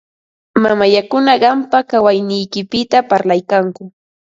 Mamallakuna qampa kawayniykipita parlaykanku.